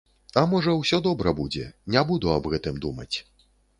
А можа, усё добра будзе, не буду аб гэтым думаць.